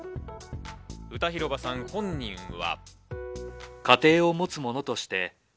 歌広場さん本人は。